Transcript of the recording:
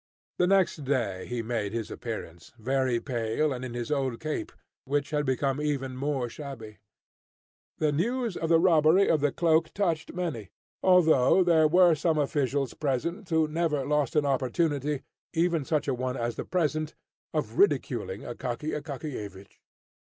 The next day he made his appearance, very pale, and in his old cape, which had become even more shabby. The news of the robbery of the cloak touched many, although there were some officials present who never lost an opportunity, even such a one as the present, of ridiculing Akaky Akakiyevich.